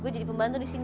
dari rumah lo